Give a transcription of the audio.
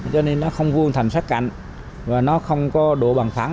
cho nên nó không vươn thành sát cạnh và nó không có độ bằng thắng